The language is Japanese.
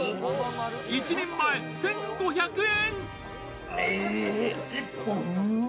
１人前１５００円。